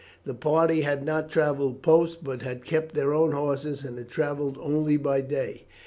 The party had not travelled post, but had kept their own horses and had travelled only by day.